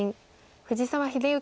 藤沢秀行